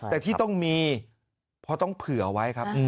แต่ที่ต้องมีเพราะต้องเผื่อไว้ครับ